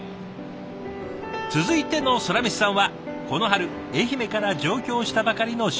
続いてのソラメシさんはこの春愛媛から上京したばかりの新入社員。